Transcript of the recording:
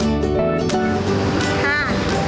มื้อสว่างจ่อยเลยห้ะ